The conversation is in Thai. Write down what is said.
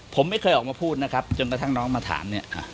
ผมไม่เคยออกมาพูดนะครับจนกระทั่งน้องมาถามเนี่ย